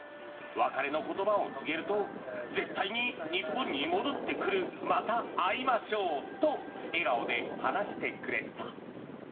別れの言葉を告げると絶対に日本に戻ってくるまた会いましょうと笑顔で話してくれた。